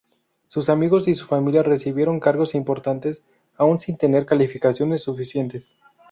Sus amigos y su familia recibieron cargos importantes, aún sin tener calificaciones suficientes.